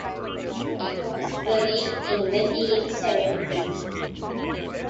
He was buried in the Dean Cemetery.